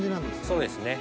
そうですね